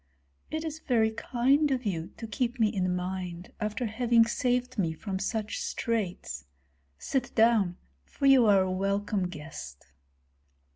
"It is very kind of you to keep me in mind after having saved me from such straits. Sit down, for you are a welcome guest."